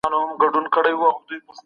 ټولنپوهنه دلته بنسټ لري.